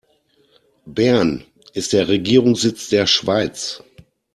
Bern ist der Regierungssitz der Schweiz.